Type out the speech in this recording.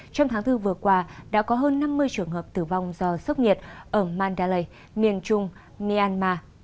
trong tháng bốn vừa qua đã có hơn năm mươi trường hợp tử vong do sốc nhiệt ở mandalai miền trung myanmar